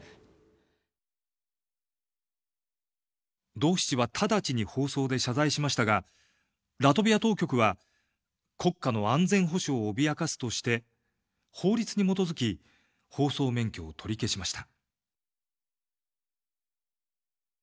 「ドーシチ」は直ちに放送で謝罪しましたがラトビア当局は国家の安全保障を脅かすとして法律に基づき放送免許を取り消しました。